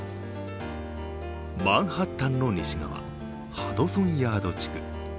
マンハッタンの西側ハドソンヤード地区。